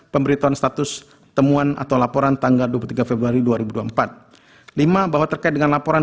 pemberitahuan status temuan atau laporan tanggal dua puluh tiga februari dua ribu dua puluh empat lima bahwa terkait dengan laporan